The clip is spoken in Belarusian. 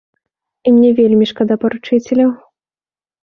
І мне вельмі шкада паручыцеляў.